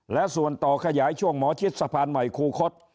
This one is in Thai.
และส่วนต่อขยายช่วงหมอชิดสะพานใหม่คูคศ